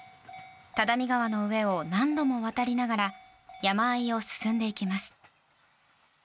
只見川の上を何度も渡りながら山あいを進んでいきます。